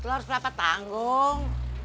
telur seperempat tanggung